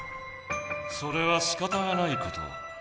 それはしかたがないこと。